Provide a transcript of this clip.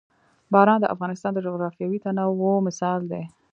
باران د افغانستان د جغرافیوي تنوع مثال دی.